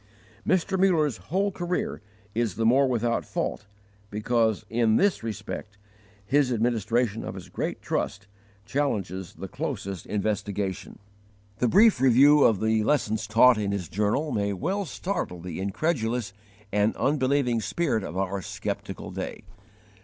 Mr. Muller's whole career is the more without fault because in this respect his administration of his great trust challenges the closest investigation. The brief review of the lessons taught in his journal may well startle the incredulous and unbelieving spirit of our skeptical day.